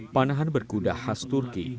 panahan berkuda khas turki